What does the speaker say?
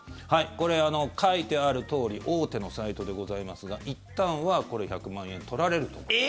これ、書いてあるとおり大手のサイトでございますがいったんはこれ１００万円取られると思います。